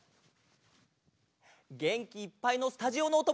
げんきいっぱいのスタジオのおともだちも。